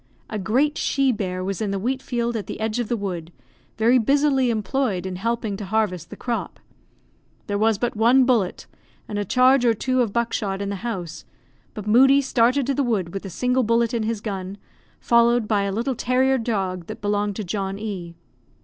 A great she bear was in the wheat field at the edge of the wood, very busily employed in helping to harvest the crop. There was but one bullet, and a charge or two of buckshot, in the house; but Moodie started to the wood with the single bullet in his gun, followed by a little terrier dog that belonged to John E